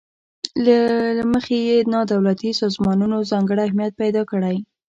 له مخې یې نا دولتي سازمانونو ځانګړی اهمیت پیداکړی.